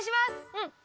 うん。